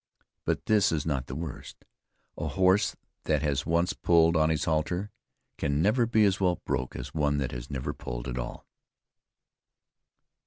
But this is not the worst. A horse that has once pulled on his halter, can never be as well broke as one that has never pulled at all.